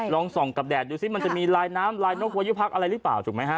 ลองส่องกับแดดดูสิมันจะมีลายน้ำลายนกวยุพักอะไรหรือเปล่าถูกไหมฮะ